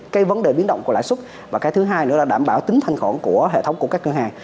cái vấn đề biến động của lãi suất và cái thứ hai nữa là đảm bảo tính thanh khoản của hệ thống của các ngân hàng